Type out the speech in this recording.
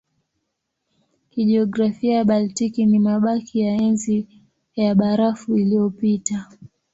Kijiografia Baltiki ni mabaki ya Enzi ya Barafu iliyopita.